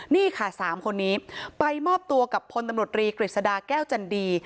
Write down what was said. นี่ค่ะ๓คนนี้ไปมอบตัวกับพลตำรวจรีกฤษฎาแก้วจันดี